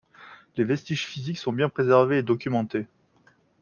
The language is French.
Les vestiges physiques sont bien préservés et documentés.